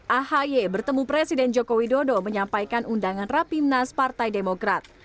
ahy bertemu presiden joko widodo menyampaikan undangan rapimnas partai demokrat